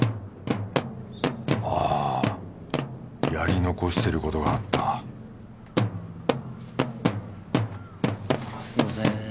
ああやり残してることがあったすみません。